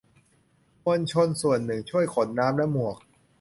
มวลชนส่วนหนึ่งช่วยขนน้ำและหมวก